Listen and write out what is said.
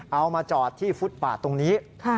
เอามาจอดที่ฟุตปาดตรงนี้